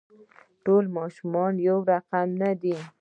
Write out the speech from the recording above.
ټول ماشومان يو رقم نه دي.